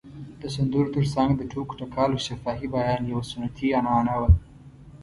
د سندرو تر څنګ د ټوکو ټکالو شفاهي بیان یوه سنتي عنعنه وه.